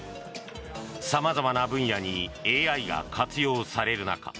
様々な分野にＡＩが活用される中